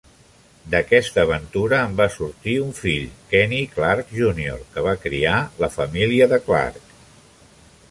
D"aquesta aventura en va sortir un fill, Kenny Clarke Jr, que va criar la família de Clarke.